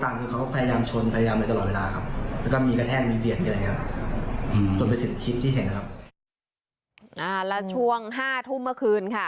แล้วช่วง๕ทุ่มเมื่อคืนค่ะ